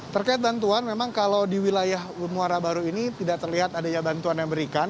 terkait bantuan memang kalau di wilayah muara baru ini tidak terlihat adanya bantuan yang diberikan